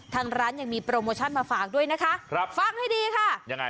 ทางร้านยังมีโปรโมชั่นมาฝากด้วยนะคะครับฟังให้ดีค่ะยังไง